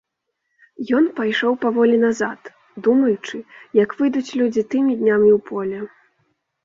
Ён пайшоў паволі назад, думаючы, як выйдуць людзі тымі днямі ў поле.